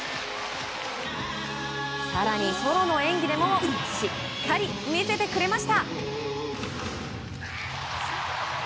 更にソロの演技でもしっかり魅せてくれました。